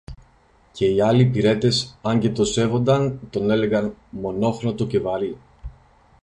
Και οι άλλοι υπηρέτες, αν και τον σέβονταν, τον έλεγαν «μονόχνωτο» και «βαρύ».